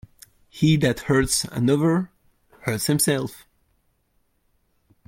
He that hurts another, hurts himself.